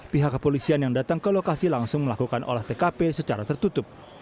pihak kepolisian yang datang ke lokasi langsung melakukan olah tkp secara tertutup